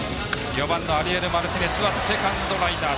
４番アリエル・マルティネスはセカンドライナー